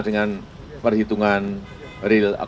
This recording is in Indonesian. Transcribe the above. yang dari pengalaman pengalaman pemilu yang lalu